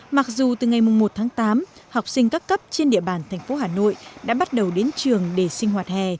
mặc dù từ ngày một tháng tám học sinh các cấp trên địa bàn thành phố hà nội đã bắt đầu đến trường để sinh hoạt hè